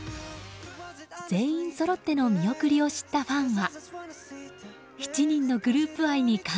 全員そろっての見送りを知ったファンは。